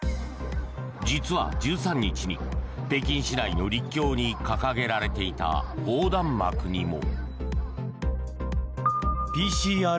実は、１３日に北京市内の陸橋に掲げられていた横断幕にも。